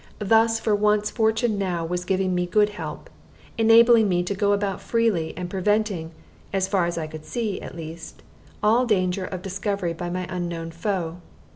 Thus for once fortune now was giving me good help, enabling me to go about freely, and preventing (so far as I could see, at least) all danger of discovery by my unknown foe.